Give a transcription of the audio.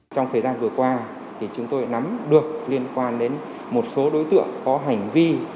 trong thời gian vừa qua chúng tôi nắm được liên quan đến một số đối tượng có hành vi